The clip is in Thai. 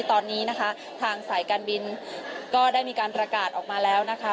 ตอนนี้นะคะทางสายการบินก็ได้มีการประกาศออกมาแล้วนะคะ